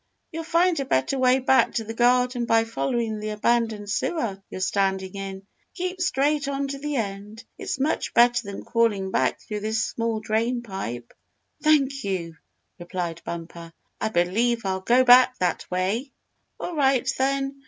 "You'll find a better way back to the garden by following the abandoned sewer you're standing in. Keep straight on to the end. It's much better than crawling back through this small drain pipe." "Thank you!" replied Bumper. "I believe I'll go back that way!" "All right, then.